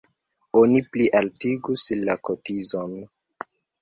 Oni plialtigus la kotizon.